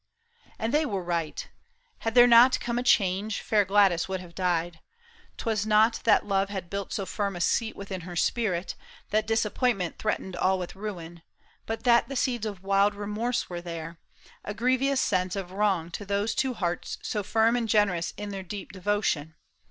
And they were right ; had there not come a change Fair Gladys would have died. 'Twas not that love Had built so firm a seat within her spirit. That disappointment threatened all with ruin, But that the seeds of wild remorse were there, A grievous sense of wrong to those two hearts So firm and generous in their deep devotion.